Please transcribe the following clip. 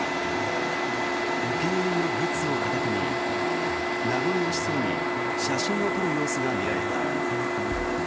お気に入りのグッズを片手に名残惜しそうに写真を撮る様子が見られた。